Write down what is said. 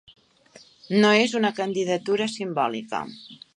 No és una candidatura simbòlica.